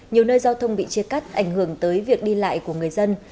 nhiều nơi giao thông bị chia cắt ảnh hưởng tới việc đi lại của người dân